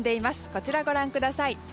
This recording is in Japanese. こちらをご覧ください。